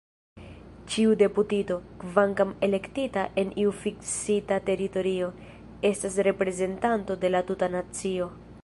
Ĉiu deputito, kvankam elektita en iu fiksita teritorio, estas reprezentanto de la tuta nacio.